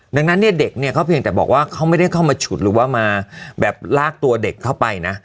ดังนั้นเนี่ยเด็กเนี่ยเขาเพียงแต่บอกว่าเขาไม่ได้เข้ามาฉุดหรือว่ามาแบบลากตัวเด็กเข้าไปนะ